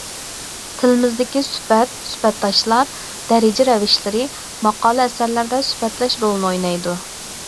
تىلىمىزدىكى سۈپەت، سۈپەتداشلار، دەرىجە رەۋىشلىرى ماقالە-ئەسەرلەردە سۈپەتلەش رولىنى ئوينايدۇ.